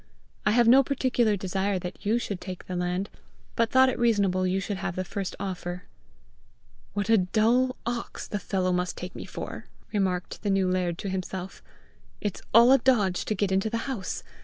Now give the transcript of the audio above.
"I have no particular desire you should take the land, but thought it reasonable you should have the first offer." "What a dull ox the fellow must take me for!" remarked the new laird to himself. "It's all a dodge to get into the house!